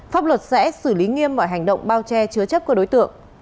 pháp luật sẽ xử lý nghiêm mọi hành động bao che chứa chấp của đối tượng